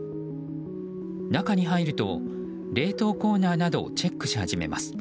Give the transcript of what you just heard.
中に入ると、冷凍コーナーなどをチェックし始めます。